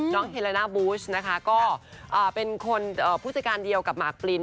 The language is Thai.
เฮลาน่าบูชนะคะก็เป็นคนผู้จัดการเดียวกับหมากปลิน